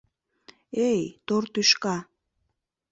Эй, тор тӱшка...